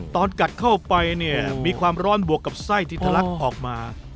ตอนกัดเข้าไปเนี่ยมีความร้อนบวกกับไส้ที่ทะลักออกมา